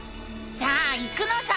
さあ行くのさ！